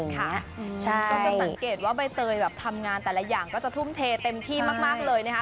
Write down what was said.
เขาจะสังเกตว่าใบเตยแบบทำงานแต่ละอย่างก็จะทุ่มเทเต็มที่มากเลยนะคะ